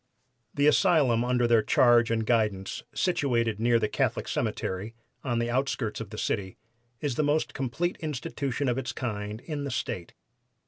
"The asylum under their charge and guidance, situated near the Catholic Cemetery, on the outskirts of the city, is the most complete institution of its kind in the State.